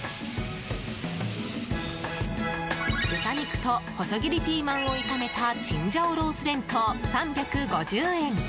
豚肉と細切りピーマンを炒めたチンジャオロース弁当、３５０円。